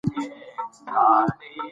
دغه ډول خلک په ډېرو څانګو کې معلومات لري.